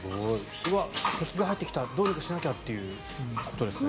敵が入ってきたどうにかしなきゃってことですね。